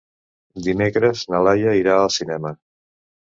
Dimecres na Laia irà al cinema.